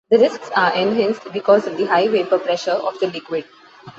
The risks are enhanced because of the high vapor pressure of the liquid.